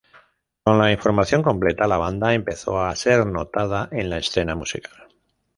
Con la conformación completa, la banda empezó a ser notada en la escena musical.